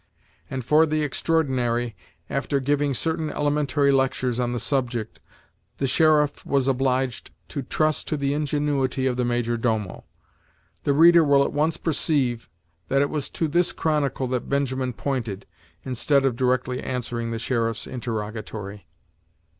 and for the extraordinary, after giving certain elementary lectures on the subject, the sheriff was obliged to trust to the ingenuity of the major domo. The reader will at once perceive, that it was to this chronicle that Benjamin pointed, instead of directly answering the sheriff's interrogatory.